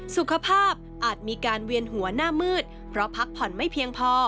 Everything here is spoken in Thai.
สุขภาพอาจมีการเวียนหัวหน้ามืดเพราะพักผ่อนไม่เพียงพอ